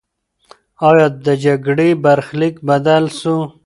آیا د جګړې برخلیک بدل سو؟